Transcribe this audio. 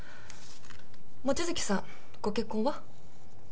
望月さんご結婚は？